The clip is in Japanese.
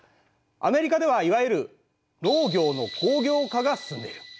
アメリカではいわゆる農業の工業化が進んでいる。